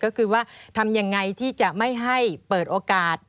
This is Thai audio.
ก็คือว่าทำยังไงที่จะไม่ให้เปิดโอกาส